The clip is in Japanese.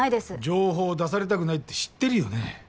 情報出されたくないって知ってるよね